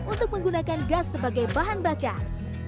untuk menggunakan gas sebagai bahan bakar